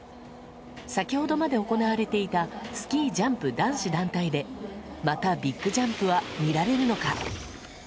先ほどまで行われていたスキージャンプ男子団体でまたビッグジャンプは見られるのか。